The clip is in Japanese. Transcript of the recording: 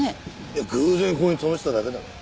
いや偶然ここに止めてただけだろ。